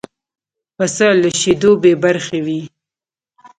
پسه له شیدو بې برخې وي.